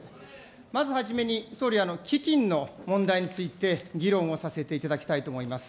まずはじめに、総理、基金の問題について、議論をさせていただきたいと思います。